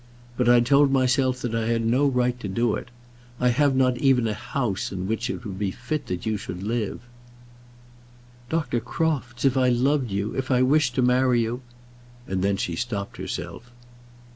But I told myself that I had no right to do it. I have not even a house in which it would be fit that you should live." "Dr. Crofts, if I loved you, if I wished to marry you " and then she stopped herself.